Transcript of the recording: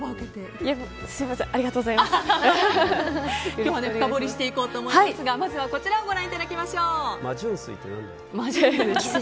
すみません深掘りしていこうと思いますがまずは、こちらをご覧いただきましょう。